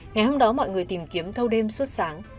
ngày hôm đó mọi người tìm kiếm thâu đêm suốt sáng